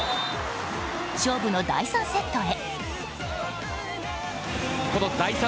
勝負の第３セットへ。